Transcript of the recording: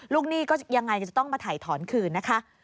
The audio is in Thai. ลูกหนี้ก็จะยังไงจะต้องมาถ่ายถอนขืนนะคะ